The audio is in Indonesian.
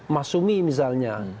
mas sumi misalnya